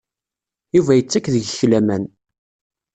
Yuba yettak deg-k laman.